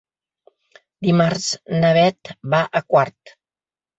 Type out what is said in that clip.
Dimarts na Bet va a Quart.